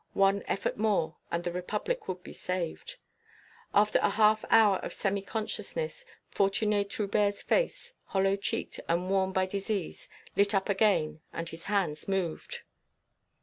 One effort more, and the Republic would be saved. After a half hour of semi consciousness, Fortuné Trubert's face, hollow cheeked and worn by disease, lit up again and his hands moved.